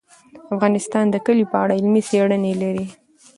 افغانستان د کلي په اړه علمي څېړنې لري.